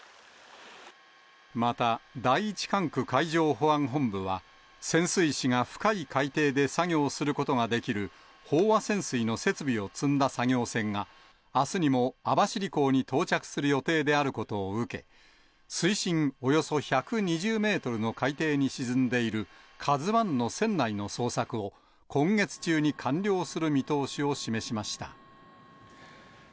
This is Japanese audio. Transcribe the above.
また、第１管区海上保安本部は、潜水士が深い海底で作業することができる、飽和潜水の設備を積んだ作業船が、あすにも網走港に到着する予定であることを受け、水深およそ１２０メートルの海底に沈んでいるＫＡＺＵＩの船内の捜索を、今月中に完了する見通しを示しました。